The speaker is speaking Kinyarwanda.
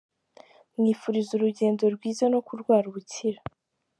Mwifuriza urugendo rwiza no kurwara ubukira.